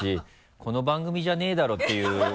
この番組じゃねぇだろっていう。